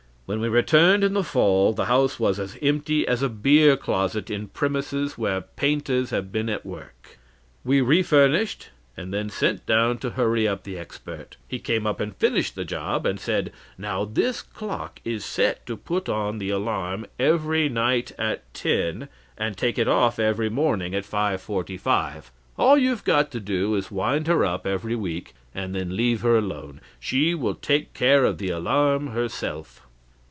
When we returned in the fall, the house was as empty as a beer closet in premises where painters have been at work. We refurnished, and then sent down to hurry up the expert. He came up and finished the job, and said: 'Now this clock is set to put on the alarm every night at 10, and take it off every morning at 5:45. All you've got to do is to wind her up every week, and then leave her alone she will take care of the alarm herself.'